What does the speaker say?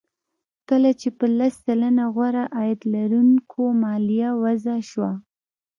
کله چې په لس سلنه غوره عاید لرونکو مالیه وضع شوه